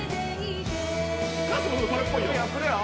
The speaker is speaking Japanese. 歌詞もそれっぽいよ。